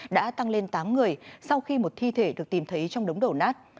đã tăng lên tám người sau khi một thi thể được tìm thấy trong đống đổ nát